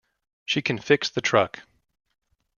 She can fix the truck.